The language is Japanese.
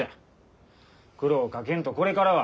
苦労をかけんとこれからは。